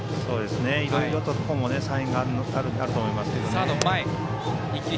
いろいろとここもサインがあると思います。